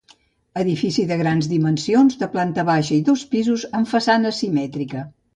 Edifici de grans dimensions de planta baixa i dos pisos, amb façana simètrica.